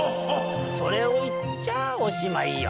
それをいっちゃおしまいよ。